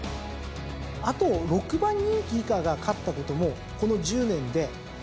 あと６番人気以下が勝ったこともこの１０年で２回しかないんです。